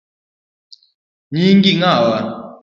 Nyingi ng’awa?